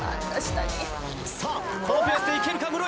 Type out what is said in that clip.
さあこのペースでいけるかムロヤ！